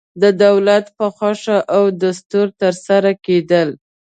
د دولت په خوښه او دستور ترسره کېدل.